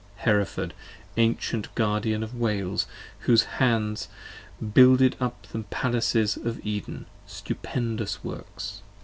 Hereford, ancient Guardian of Wales, whose hands Builded the mountain palaces of Eden, stupendous works!